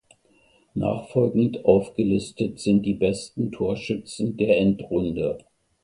Nachfolgend aufgelistet sind die besten Torschützen der Endrunde.